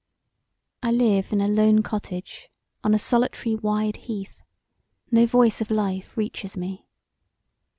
I live in a lone cottage on a solitary, wide heath: no voice of life reaches me.